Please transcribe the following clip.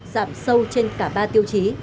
giảm sâu trên cả ba tiêu chí